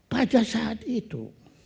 pada saat itu